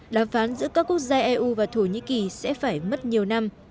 đàm phán giữa các quốc gia eu và thổ nhĩ kỳ sẽ phải mất nhiều năm